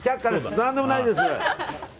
何でもないです。